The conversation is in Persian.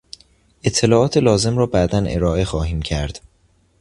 اطلاعات لازم را بعدا ارائه خواهیم کرد.